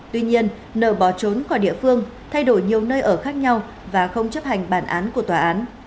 tuy nhiên nợ bỏ trốn khỏi địa phương thay đổi nhiều nơi ở khác nhau và không chấp hành bản án của tòa án